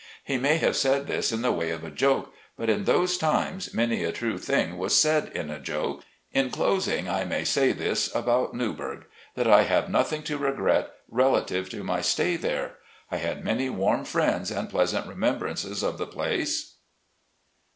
He may have said this in the way of a joke, but in those times, many a true thing was said in a joke. In closing I can say this about Newburgh, that I have nothing to regret relative to my stay there. I had many warm friends, and pleasant remembrances of the place.